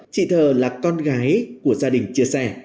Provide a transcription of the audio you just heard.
chị thờ là con gái của gia đình chia sẻ